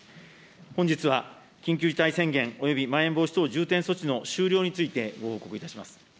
本日は緊急事態宣言およびまん延防止等重点措置の終了について、ご報告いたします。